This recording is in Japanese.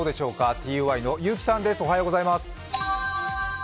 ＴＵＹの結城さんです。